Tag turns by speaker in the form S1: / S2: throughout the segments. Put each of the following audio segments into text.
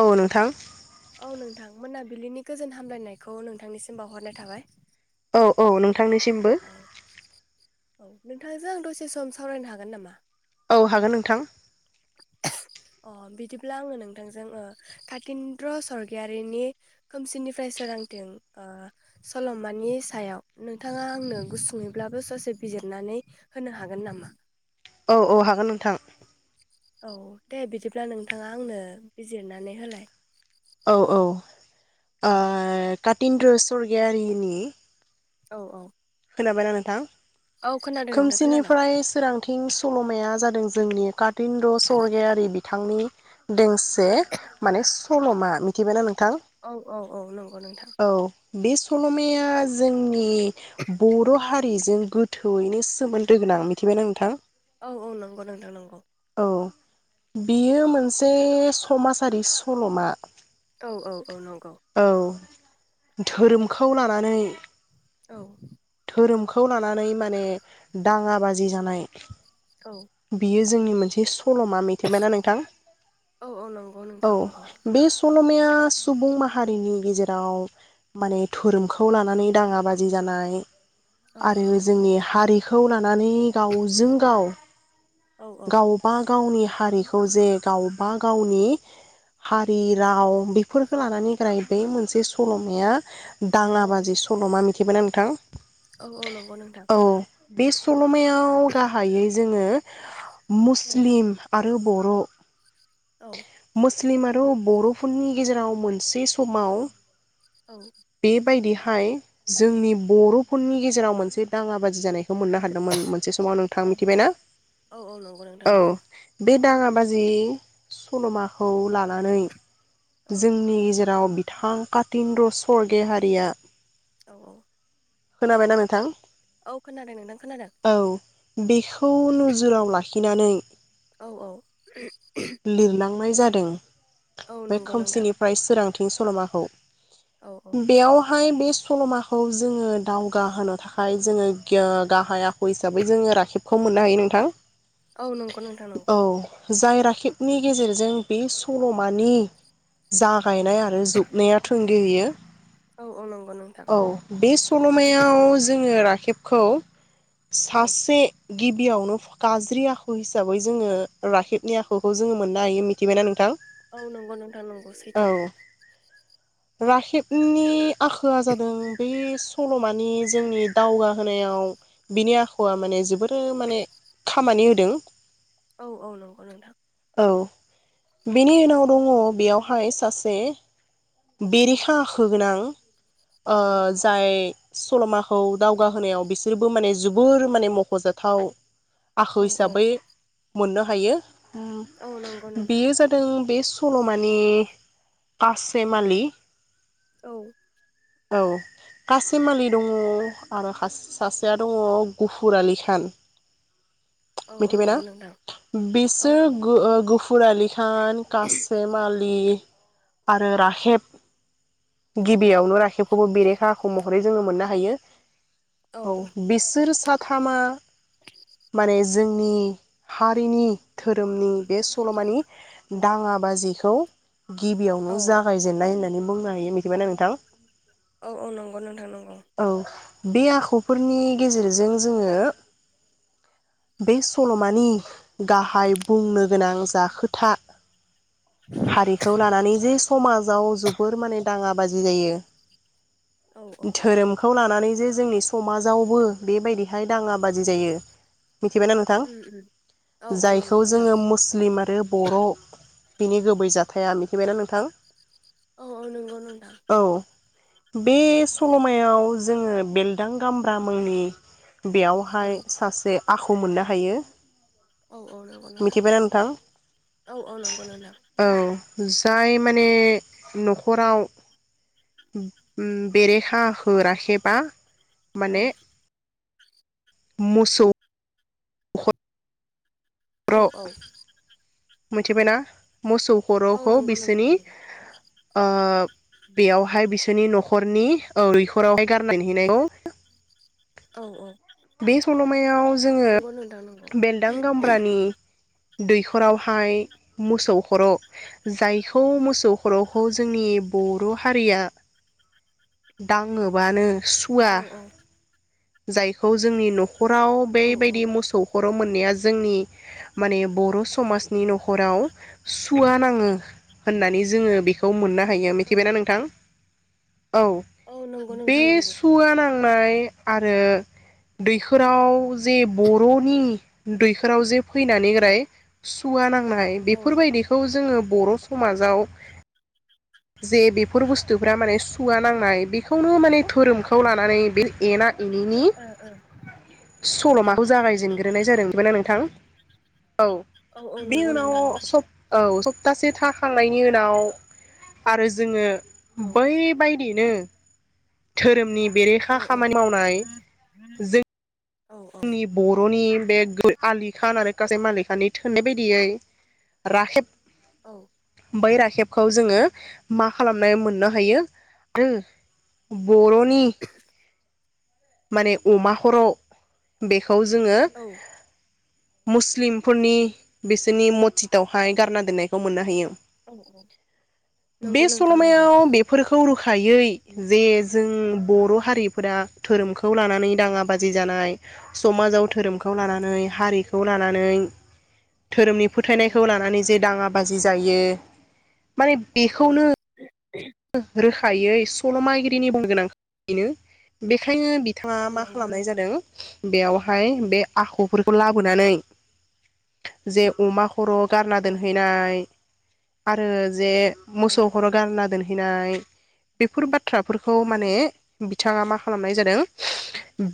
S1: औ नोंथां।
S2: औ नोंथां मोनाबिलिनि गोजोन हामलायनायखौ नोंथांनिसिम बावहरनाय थाबाय।
S1: औ औ। नोंथांनिसिमबो
S2: औ औ नोंथांजों आं दसे सम सावरायनो हागोन नामा?
S1: औ हागोन नोंथां।
S2: अ बिदिब्ला आङो नोंथांजों ओ काकिन्द्र स्वर्गियारि नि खोमसिनिफ्राय सोरांथिं ओ सल'मानि सायाव नोंथाङा आंनो गुसुङैब्लाबो ससे बिजिरनानै होनो हागोन नामा?
S1: औ औ हागोन नोंथां।
S2: औ दे बिदिब्ला नोंथाङा आंनो बिजिरनानै होलाय?
S1: औ औ आ
S2: औ
S1: कातिन्द्र स्वर्गियारिनि
S2: औ औ।
S1: खोनाबायना नोंथां।
S2: औ खोनादों नोंथां खोनादों
S1: खोमसिनिफ्राय सोरांथिं सल'माया जादों जोंनि का स्वर्गियारि बिथांनि। दोंसे माने सल'मा मिथिबायना नों?
S2: औ औ औ नंगौ नोंथां।
S1: बे सल'माया जोंनि बर' हारि रि जों गोथौयैनो सोमोन्दो गोनां मिथिबायना नोंथां?
S2: औ औ नंगौ नंथां नंगौ।
S1: औ बेयो मोनसे समाजारि सल'मा।
S2: औ औ औ नंगौ।
S1: औ धोरोमखौ लानानै
S2: औ
S1: धोरोमखौ लानानै माने दाङा बाजि जानाय
S2: औ
S1: बियो जोंनि मोनसे स सल'मा मिथेबायना नोंथां?
S2: औ औ नंगौ नोंथां नंगौ
S1: औ बे सल'माया सुबुं माहारिनि गेजेराव माने धोरोमखौ लानानै दाङा बाजि जानाय
S2: औ
S1: आरो जोंनि हारि खौ लानानै गावजों गाव
S2: औ
S1: गावबा गावनि हारिखौ जे गावबा गावनि हारि राव बेफोरखौ लानानै ग्राय बे मोनसे सल'माया दाङा बाजि सल'मा मि थिबायना नोंथां?
S2: औ औ नंगौ नोंथां।
S1: औ बे स मायाव गाहायै जोङो
S2: औ
S1: मुस्लिम आरो बर'
S2: औ।
S1: मुस्लिम आरो बर'फोरनि गेजेराव मोनसे समाव बेबायदि जोंनि बर'फोरनि गेजेराव मोनसे दाङा बादि जानायखौ मोननो हादोंमोन मोनसे समाव नोंथाङा
S2: औ
S1: मिथिबायना?
S2: औ नंगौ नोंथां
S1: औ
S2: नंगौ
S1: बे दाङाबाजि सल'माखौ लानानै
S2: औ
S1: जोंनि गेजेराव राव बिथां कातिन्द्र स्वरगियारिया
S2: औ औ।
S1: खोनाबायना नोंथां?
S2: औ खोनादों नोंथां खोनादों।
S1: औ बेखौ नोजोराव लाखि नानै
S2: औ औ।
S1: लिरनाय जादों।
S2: औ
S1: बे
S2: नंगौ नोंथां
S1: खोमसिनिफ्राय सोरां थिं सल'माखौ।
S2: औ औ
S1: बेयाव हायो बे सल'माखौ जोङो दावगा होनोनो थाखाय जोङो गाहायाव हिसाबै जोङो राखेब खौ मोननो हायो नोंथां।
S2: औ नंगौ नोंथा नंगौ।
S1: औ जाय राखेबनि गेजेरजों बे सल'मानि जागायनाय आरो जोबनाया थोंगेहैयो।
S2: औ औ नंगौ नोंथां
S1: औ बे सल'मायाव जोङो खेबखौ
S2: औ
S1: सासे गिबियावनो फकाज ज्रि आखु हिसाबै जोङो राखेबनि आखुखौ जोङो मोननो हायो मिथिबायना नोंथां?
S2: औ नंगौ नोंथां नंगौ सैथो।
S1: औ राखेबनि आखला जादों बे सल'मानि जोंनि दावगाहोनायाव बिनि आखुआ माने जोबोर माने खामानि होदों।
S2: औ औ नंगौ नोंथां।
S1: औ बेनि उनाव दङ बेयावहाय सासे बेरेखा होगोनां ओ
S2: औ
S1: जाय सल'माखौ दावगाहोनायाव बिसोरबो माने जोबोर माने मख'जाथाव। आखु
S2: औ
S1: हिसाबै मोननो हायो।
S2: औ नंगौ नोंथां
S1: बेयो जादों बे सल'मानि आस फेमालि
S2: औ।
S1: औ कासेमलि दङ आरो सासेया दङ गुफुर आलि खान।
S2: औ औ
S1: मिथिबायना
S2: नंगौ नोंथां औ
S1: बिसोर
S2: औ
S1: गो-ओ गुफुर आलि खान कसेम आलि राकेब गिन बेयावनो राखेबखौबो बेरेखा आखु महरै जोङो मोननो हा थायो। औ बिसोर सा थामा माने जोंनि हारिनि धोरोमनि बे सल'मानि दाङा बाजिखौ गि
S2: औ
S1: जागायजेननाय होन्नानै बुंनो हायो मिथिबायना नोंथां।
S2: औ औ नंगौ नोंथां नंगौ।
S1: औ बे आखुफोरनि गेजेरजों जोङो बे सल'मानि गाहाय बुंनो गोनां जा खोथा हारिखौ लानानै समाजाव जोबोर माने दाङा बाजि जायो।
S2: औ औ
S1: धोरोमखौ लान नानै जे जोंनि समाजावबो बेबायदिहाय दाङा बाजि जायो। मिथिबायना नोंथां
S2: औ औ नंगौ
S1: जायखौ
S2: नोंथां
S1: जोङो मुस्लिम आरो बर' बिनि गुबै जथाया मिथिबावनाय नों थां।
S2: औ औ नोंगौ नोंथां।
S1: बे सल'मायाव जोङो बेलदां गामब्रा मुंनि
S2: औ
S1: बेयावहाय सासे आखु मोननो हायो।
S2: औ औ नोंगौ नोंथां
S1: मिथिबायना नोंथां
S2: औ औ नोंगौ नोंथां।
S1: औ [inaudible] जाय माने न'खराव बेरेखा आखु राखेबा
S2: औ
S1: माने मोसौ न'खराव
S2: औ औ
S1: मिथिबायना? मोसौ
S2: औ
S1: खरखौ
S2: नंगौ
S1: बिसोरनि
S2: नोंथां नंगौ
S1: ओ बेयावहाय बिसोरनि न'खरनि औ दैखरावहाय गारा हैनायखौ
S2: औ औ
S1: बे सल'मायाव जोङो
S2: नंगौ नोंथां नंगौ
S1: बेलदां गामब्रानि दैखरावहाय मोसौ खर' जायखौ मोसौ खर'खौ जोंनि बर' हारिया दाङोबानो सुवा
S2: औ औ
S1: जाय खौ जोंनि न' खराव
S2: औ औ
S1: बेबायदि मोसौ। खर' मोननाया जोंनि माने बर' समाजनि न'खराव। सुवा नाङो। होननानै जोङो बेखौ मोनना हायो
S2: औ
S1: मिखिबायना नोंथां। औ
S2: औ नंगौ
S1: बे
S2: नोंथां नंगौ
S1: सुआ नां फाय आरो दैखोराव जे बर'नि दैखोराव जे फैनानै राय सुवा नां नाय
S2: औ
S1: बेफोरबायदिखौ जोङो। बर' समाजाव जे बेफोर बुस्थुफ्रा माने सुवा नांनाय बेखौनो माने धोरोमखौ लानानै बे एना एनिनि
S2: ओ
S1: सल'माखौ जागायजेनग्रोनाय जादों [unintelligible] नोंथां। औ
S2: ओ औ
S1: बे
S2: नंगौ
S1: उनाव
S2: नोंथां नंगौ
S1: सफ औ सफ। तासे थाखांनायनि उनाव। आरो जोङो।
S2: औ
S1: बै बाय [unintelligible] नो धोरोमनि। बेरेखा
S2: औ औ
S1: खामानि मावनाय जों
S2: औ
S1: [unintelligible] नि बर'नि। बे [unintelligible] थोननाय बायदियै राखेब।
S2: औ।
S1: बै राखेबखौ जोङो मा खालामनानै मोननो हायो ग्रो बर'नि माने अमा खर'। बेखो खौ जोङो।
S2: औ
S1: मुस्लिमफोरनि बिसोरनि मतजिदावहाय गारना दोननायखौ मोननो हायो।
S2: औ औ नंगौ नोंथां नंगौ।
S1: खायै जे जों बर' हारिफोरा धोरोमखौ लानानै। दाङा
S2: औ
S1: बाजि जानाय। समाजाव धोरोमखौ। खौ
S2: औ
S1: लानानै हारिखौ लान नानै। धोरोमनि
S2: औ
S1: फोथायनायखौ लानानै जे दाङा ब बाजि जायो माने
S2: औ
S1: बेखौनो रोखायै सल'माागिरिनि बुंनो गोनां बेनो बेखायनो बि बिथाङा
S2: औ
S1: मा
S2: नंगौ
S1: खालामनाय
S2: नोंथां
S1: जादों बेयावहाय बे आखफोरखौ लाबोनानै जे अमा खर' गारना
S2: औ
S1: दोनहैनाय आरो जे मोसौ
S2: औ
S1: खर' गारना दोन नाय बेफोर बाथ बाथ्राफोरखौ माने
S2: औ
S1: बि बिथाङा मा खालामनाय जादों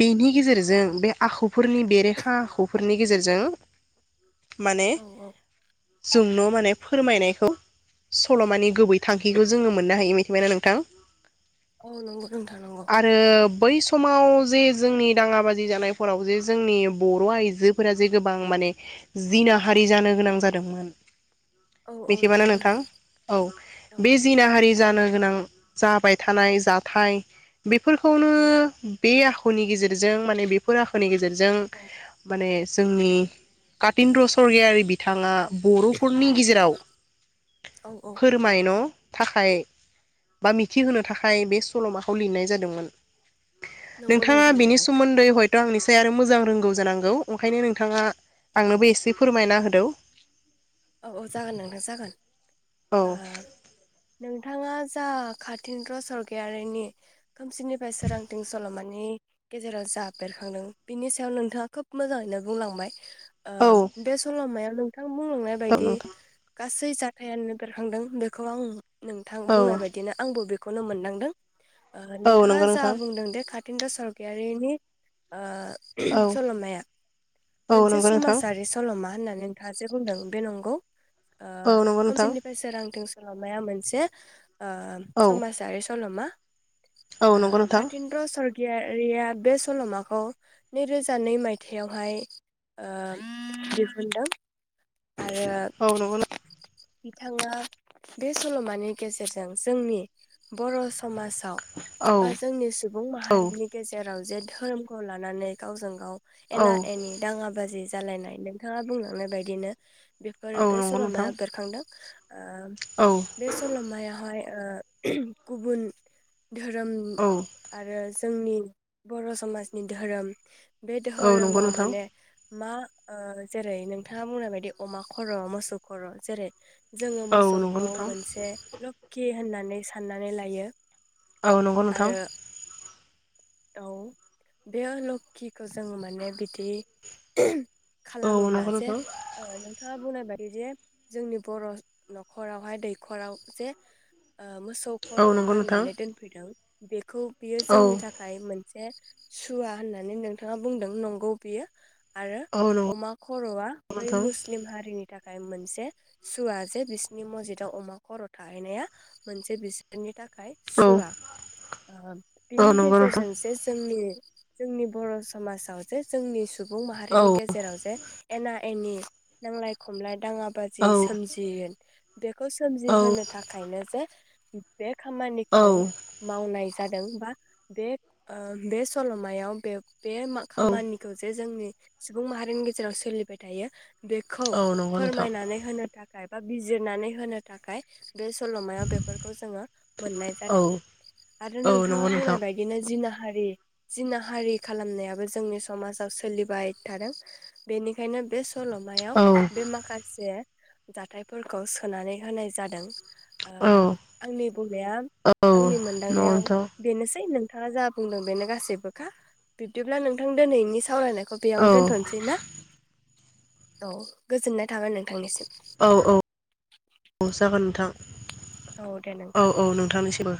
S1: बेनि गेजेरजों
S2: औ
S1: बे आखुफोरनि बेरेखा आखुफोरनि नि गेजेरजों माने
S2: औ
S1: जोंन' माने फोरमायनायखौ सल'मानि गुबै थांखिखौ ज जोङो मोननो हायो मिथिबाय ना नोंथां
S2: औ नंगौ नोंथां नंगौ
S1: आरो बै समाव जे जोंनि दाङा बाजि जानायफोराव जे जोंनि बर' आइजोफोरा जे गोबां माने जिनाहारि जानो गोनां जादोंमोन।
S2: औ औ
S1: मिथिबाय ना
S2: नंगौ
S1: नोंथां औ
S2: औ
S1: बे नाहारि जानो गोनां जाबाय थानाय जाथाय बे फोरखौनो
S2: औ
S1: बे आख खुनि गेजेरजों माने बेफोर आखुनि गेजेरजों जों माने जोंनि कातिन्द्र सरगियारि बिथाङा बर'फोरनि गेजेराव
S2: औ
S1: फोरमायन' थाखाय बा मिथिहोनो थाखाय बे सल'माखौ लिरनाय जादोंमोन।
S2: औ नंगौ
S1: नोंथाङा
S2: नोंथां
S1: बिनि
S2: नंगौ
S1: सोमोन्दै हयथ थ' आंनिसाय आरो मोजां रोंगौ जानांगौ ओंखायनो नोंथाङा
S2: औ
S1: आंनोबो एसे फोरमायना होद दौ
S2: औ औ जागोन नोंथां जागोन
S1: औ
S2: ओ नोंथाङा जा कातीन्द्र सरगायारिनि खोमसिनिफ्राय सोरांथिं सल'मानि गेजेराव जा बेरखांदों बिनि सायाव नोंथाङा खोब मोजाङैनो बुंलांबाय। ओ
S1: औ
S2: बे सल'मायाव नोंथां बुंलांनाय
S1: औ
S2: बायद दि
S1: नोंथां
S2: गासै सै जाथायानो बेरखांदों बेखौ आं नोंथां
S1: औ
S2: बुंनाय बायदिनो आंबो बे खौनो मोनदांदों।
S1: औ
S2: नोंथाङा
S1: नंगौ
S2: जा
S1: नोंथां
S2: बुंदों दे खा तिन्द्र सरगयारिनि ओ
S1: औ
S2: सल'माया
S1: औ
S2: मोनसे
S1: नंगौ नोंथां
S2: समाजारि सल'मा होननानै नोंथाङा जे बुंदों। बे नोंगौ। ओ
S1: औ नंगौ नोंथां
S2: खोमसिनिफाय सोरांथिं लमाया मोनसे ओ
S1: औ
S2: समाजारि सल'मा।
S1: औ नंगौ
S2: ओ
S1: नोंथां
S2: कातिन्द्र सर गियारिया बे सल'माखौ नैरोजा नै मायथाइयावहाय ओ दिहुनदों। आरो
S1: औ नंगौ
S2: बिथाङा बे सल'मानि गेजेरजों जोंनि बर' स समाजाव
S1: औ
S2: बा जोंनि सुबुं
S1: औ
S2: माहारिनि गेजेराव जे धोरोमखौ लानानै गावजों गाव
S1: औ
S2: एना एनि दाङा बाजि जालायनाय नोंथाङा बुंलांनाय बायदिनो। बेफोर
S1: औ
S2: बे
S1: नंगौ नोंथां
S2: सल'माया बेरखांदों ओ
S1: औ
S2: बे सल'मायाहाय ओ गुबुन धोरोमनि
S1: औ
S2: आरो जोंनि बर' समाजनि धोरोम। बे
S1: औ नंगौ
S2: धोरोमाव
S1: नोंथां
S2: माने मा ओ जेरै नोंथाङा बुंनाय बायदि अमा खर' मोसौ खर' जेरै जोङो
S1: औ नंगौ
S2: मोसौखौ
S1: नोंथां
S2: मोनसे लोखि होननानै साननानै लायो।
S1: औ नंगौ
S2: आरो
S1: नोंथां।
S2: औ बेयो लोखिखौ जोङो माने बिदि
S1: औ नोंगौ नोंथां।
S2: थाङा बुंनाय बायदि जे जोंनि बर' न'खरावहाय दैखराव जे ओ मोसौ
S1: औ
S2: खर'
S1: नंगौ नोंथां
S2: गारनानै दोनफैदों। बे खौ बियो
S1: औ
S2: जोंनि थाखाय मोन से सुवा होननानै नोंथाङा बुंदों नंगौ बेयो आरो
S1: औ नंगौ
S2: अमा खरआ बै
S1: नोंथां औ
S2: मुस्लिम हारिनि थाखाय मोनसे सुवा जे बिसोरनि मजिदाव अमा खर थाहैनाया मोनसे बिसोरनि थाखाय [unintelligible] सुवा बिनि
S1: औ नंगौ नोंथां
S2: गेजेरजोंसो जोंनि जोंनि बर समाजाव जे जोंनि सुबुं माहारिनि गेजेराव जे एना एनि नांलाय खमलाय दाङा बाजि
S1: औ
S2: सोमजियोन बेखौ सोमजिहोनो
S1: औ
S2: थाखायनो जे बे खामानिखौ
S1: औ
S2: मावनाय जादों बा बे ओ बे सल'मायाव बे बे
S1: औ
S2: खामानिखौ जे जोंनि सुबुं माहारिनि गेजेराव सोलिबाय थायो बेखौ
S1: औ नंगौ नोंथां
S2: फोरमायनानै होनो थाखाय बा बिजिरनानै होनो थाखाय बे सलमायाव बेफोरखौ जोङो मोननाय
S1: औ
S2: जादों आरो
S1: औ
S2: नोंथाङा
S1: नंगौ
S2: बुंनाय
S1: नोंथां
S2: बायदिनो जि जिनाहारि खालामनायाबो जोंनि समाजाव सोलिबाय थादों बेनि बेनो बेस्ट। सलमायाव
S1: औ
S2: बे माखासे। जाथायफोरखौ सोनानै होनाय जादों।
S1: औ
S2: ओ-आंनि बुंनाया आंनि
S1: नंगौ
S2: मोनदांनायाव
S1: नोंथां
S2: बेनोसै नोंथाङा जा बुंदों बेनो गासैबोखा बिब्दिब्ला नोंथां दिनैनि सावरायनाय। खौ
S1: औ
S2: बेयावनो दोनथ'नोसै ना? औ गोजोननाय थाबान नोंथांनिसिम।
S1: औ औ औ जागोन नोंथां।
S2: औ दे नोंथां
S1: औ औ नोंथांनिसिमबो।